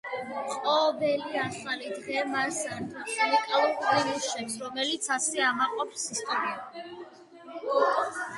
ყოველი ახალი დღე მას ართმევს უნიკალურ ნიმუშებს, რომლითაც ასე ამაყობს ისტორია.